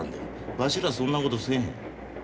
わしらそんなことせえへん。